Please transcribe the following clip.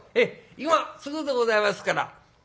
今すぐでございますから」。